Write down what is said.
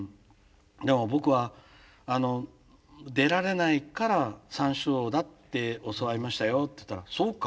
「でも僕は出られないから山椒魚だって教わりましたよ」って言ったら「そうか。